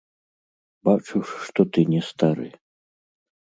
Бачу ж, што ты не стары.